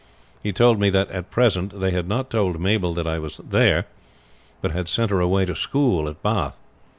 He told me that at present they had not told Mabel that I was there, but had sent her away to school at Bath.